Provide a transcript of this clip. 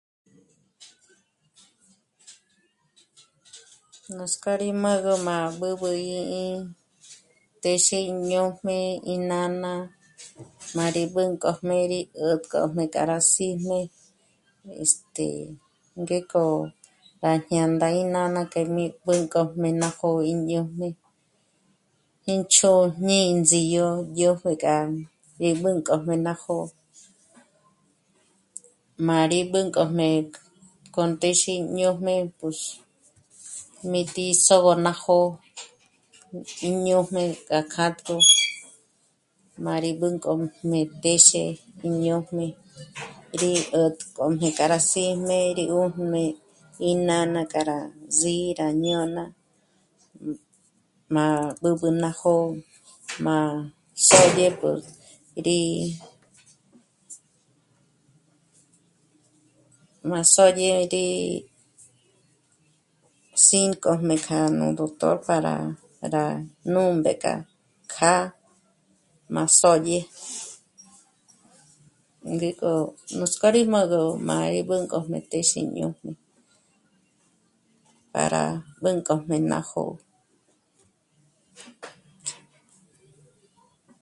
Nuts'k'ó rí m'ǚgü má b'ǚb'ü í í'i téxe í ñójm'e í nána má rí b'ǚnk'ojmé rí 'ä̀t'k'ojmé k'a rá sí'm'e, este... ngék'o gá jñā̂ndā í nána k'e mí b'ǚnk'ojmé ná jó'o í ñójm'e ín chójn'e índzidyo yópjü k'a rí b'ǚnk'ojmé ná jó'o. Má rí b'ǚnk'ojmé k'o ndéxi ñójm'e pùx... mí tí'i sô'o ná jó'o í ñójm'e k'a kjátk'o má rí b'ǚnk'ojmé téxe í ñójm'e rí 'ä̀tk'ojmé k'a rá sí'm'e é rí 'ùjmé í nána k'a rí zí'i rá jñôna má b'ǚb'ü ná jó'o má xódye k'o rí... má sódye rí sínkojmé k'a nú doctor para nú mbék'a kjâ'a má sódye, ngík'o, nutsk'ó rí m'ǚgü má í b'ǚnk'ojmé téxi í ñójm'e para b'ǚnk'ojmé ná jó'o